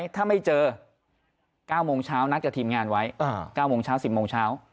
ถ้าไม่เจอ๙โมงเช้านัดกับทีมงานไว้๙โมงเช้า๑๐โมงเช้า